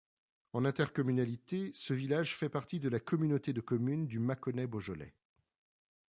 En intercommunalité, ce village fait partie de la communauté de communes du Mâconnais Beaujolais.